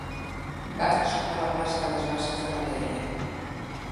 Vaig a la plaça de les Basses de la Peira.